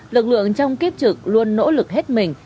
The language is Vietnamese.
lực lượng trong kiếp trực luôn nỗ lực hết mình